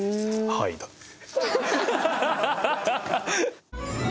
「はい」だって。